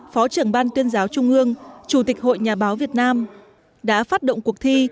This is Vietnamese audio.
phó trưởng ban tuyên giáo trung ương chủ tịch hội nhà báo việt nam đã phát động cuộc thi